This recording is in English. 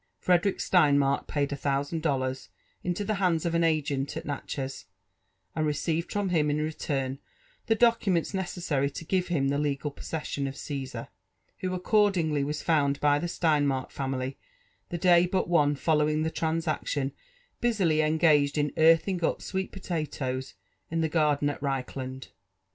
Frederick Steinmark paid a thousand dollars into the hands of an agent 'at Natches, and received from him in return the dbcumeols necessary to give hipi the legal possession o( Cssar, who accordingly was found by the Steinmark family the day but one Irt lowing the transaelion busily engaged in earthing up sweet potatoes ia the garden at Reichland.